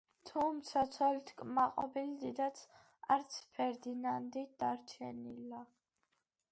თუმცა ცოლით კმაყოფილი დიდად არც ფერდინანდი დარჩენილა.